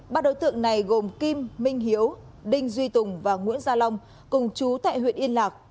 ba đối tượng này gồm kim minh hiếu đinh duy tùng và nguyễn gia long cùng chú tại huyện yên lạc